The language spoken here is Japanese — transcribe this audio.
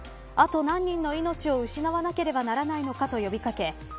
あと何人の命を失わなければならないのかと呼び掛け